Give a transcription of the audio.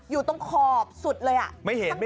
อยู่ตรงขอบสุดเลยอ่ะไม่เห็น